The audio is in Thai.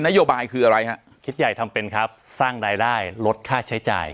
นโยบายคืออะไรฮะคิดใหญ่ทำเป็นครับสร้างรายได้ลดค่าใช้จ่าย